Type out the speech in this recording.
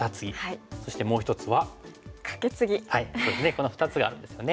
この２つがあるんですよね。